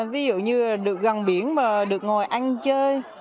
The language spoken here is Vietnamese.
ví dụ như được gần biển và được ngồi ăn chơi